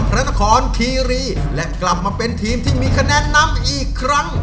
นครคีรีและกลับมาเป็นทีมที่มีคะแนนนำอีกครั้ง